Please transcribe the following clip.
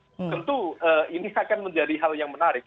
tentu ini akan menjadi hal yang menarik